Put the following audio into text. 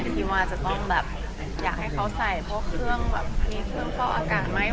ที่ว่าจะต้องแบบอยากให้เขาใส่พวกเครื่องแบบมีเครื่องฟอกอากาศไหม